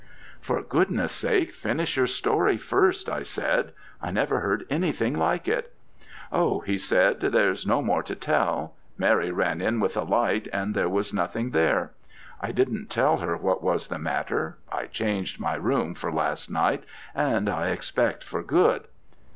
"'For goodness sake finish your story first,' I said. 'I never heard anything like it.' 'Oh,' said he, 'there's no more to tell. Mary ran in with a light, and there was nothing there. I didn't tell her what was the matter. I changed my room for last night, and I expect for good.'